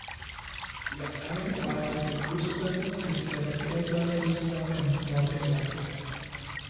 Die Abtei war eines der größten Zisterzienserklöster in Nordengland.